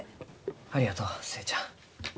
ありがとう寿恵ちゃん。